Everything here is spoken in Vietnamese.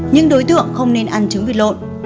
những đối tượng không nên ăn trứng vịt lộn